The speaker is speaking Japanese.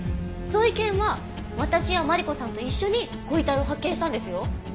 ゾイケンは私やマリコさんと一緒にご遺体を発見したんですよ？